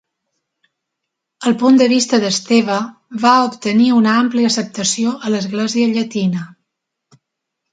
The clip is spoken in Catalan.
El punt de vista d'Esteve va obtenir una àmplia acceptació a l'Església llatina.